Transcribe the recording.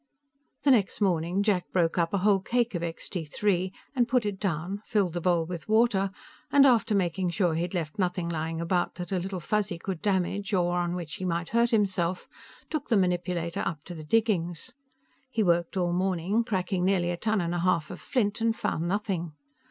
The next morning, Jack broke up a whole cake of Extee Three and put it down, filled the bowl with water, and, after making sure he had left nothing lying around that Little Fuzzy could damage or on which he might hurt himself, took the manipulator up to the diggings. He worked all morning, cracking nearly a ton and a half of flint, and found nothing.